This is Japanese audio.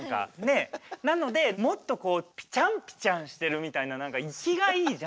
なのでもっとこうピチャンピチャンしてるみたいな何か生きがいいじゃん。